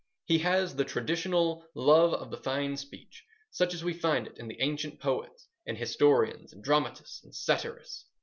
He has the traditional love of the fine speech such as we find it in the ancient poets and historians and dramatists and satirists.